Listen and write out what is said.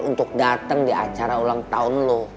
untuk datang di acara ulang tahun lo